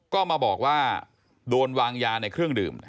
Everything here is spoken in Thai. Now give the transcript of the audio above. ก็มาบอกว่าโดนวางยาในเครื่องดื่ม